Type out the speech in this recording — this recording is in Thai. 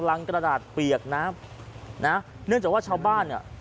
กระดาษเปียกน้ำนะเนื่องจากว่าชาวบ้านเนี่ย